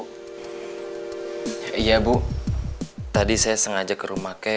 hai iya bu tadi saya sengaja ke rumah ke